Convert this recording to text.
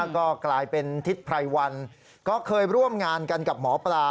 ก็กลายเป็นทิศไพรวันก็เคยร่วมงานกันกับหมอปลา